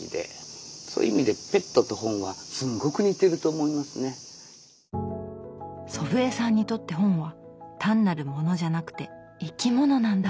そういう意味で祖父江さんにとって本は単なる物じゃなくて生き物なんだ！